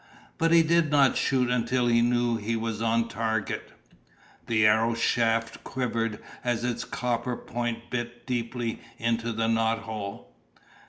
But he did not shoot until he knew he was on target. The arrow's shaft quivered as its copper point bit deeply into the knothole.